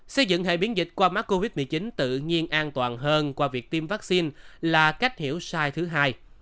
xây dựng hệ biến dịch qua mắt covid một mươi chín tự nhiên an toàn hơn qua việc tiêm vaccine là cách hiểu sai thứ hai